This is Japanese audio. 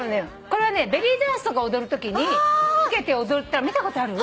これはねベリーダンスとか踊るときにつけて踊ったの見たことある？